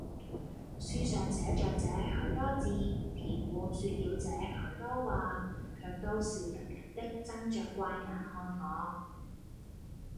書上寫着這許多字，佃戶說了這許多話，卻都笑吟吟的睜着怪眼看我。